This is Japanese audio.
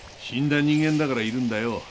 死んだ人間だから要るんだよ。